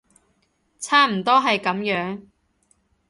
差唔多係噉樣